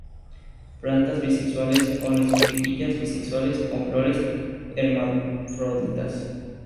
Plantas bisexuales, con espiguillas bisexuales; con flores hermafroditas.